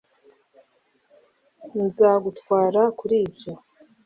Nzagutwara kuri ibyo